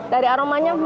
dari aromanya hmm